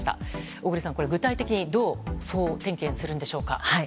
小栗さん、具体的にどう総点検するのでしょうか。